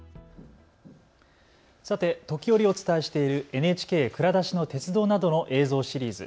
さて、時折お伝えしているＮＨＫ蔵出しの鉄道などの映像シリーズ。